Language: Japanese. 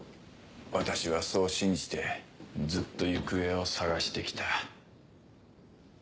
私はそう信じてずっと行方を捜して来た。